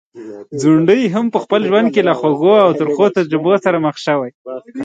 ځونډی هم په خپل ژوند کي له خوږو او ترخو تجربو سره مخ شوی.